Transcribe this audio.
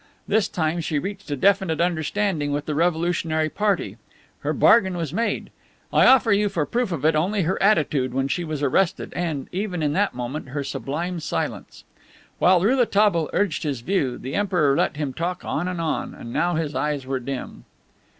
This time she reached a definite understanding with the revolutionary party. Her bargain was made. I offer you for proof of it only her attitude when she was arrested, and, even in that moment, her sublime silence." While Rouletabille urged his view, the Emperor let him talk on and on, and now his eyes were dim.